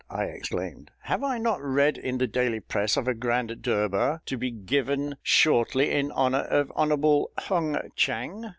I exclaimed. "Have I not read in the daily press of a grand durbar to be given shortly in honour of Hon'ble HUNG CHANG?"